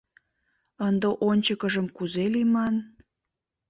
Ынде ончыкыжым кузе лийман?